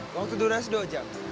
waktu durasi dua jam